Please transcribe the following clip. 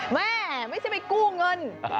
แม่ไม่ใช่ไปกู้เงิน